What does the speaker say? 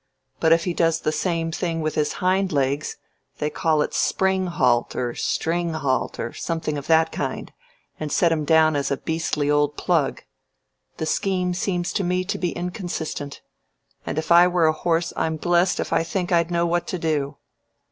But if he does the same thing with his hind legs they call it springhalt or stringhalt, or something of that kind, and set him down as a beastly old plug. The scheme seems to me to be inconsistent, and if I were a horse I'm blessed if I think I'd know what to do.